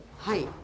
はい。